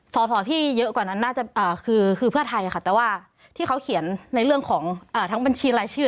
สอสอที่เยอะกว่านั้นน่าจะคือเพื่อไทยค่ะแต่ว่าที่เขาเขียนในเรื่องของทั้งบัญชีรายชื่อ